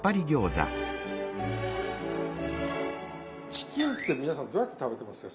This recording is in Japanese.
チキンって皆さんどうやって食べてますか？